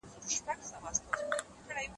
په حقیقت کي دغه خوب د هغه د ترقۍ پيلامه سو.